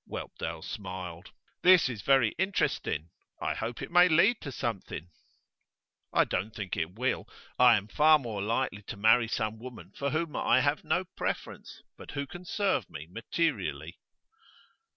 Whelpdale smiled. 'This is very interesting. I hope it may lead to something.' 'I don't think it will. I am far more likely to marry some woman for whom I have no preference, but who can serve me materially.